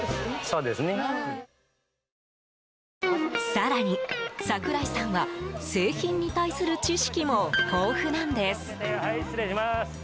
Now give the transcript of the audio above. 更に、櫻井さんは製品に対する知識も豊富なんです。